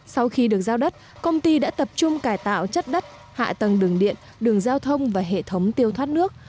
sau khi được giao đất công ty đã tập trung cải tạo chất đất hạ tầng đường điện đường giao thông và hệ thống tiêu thoát nước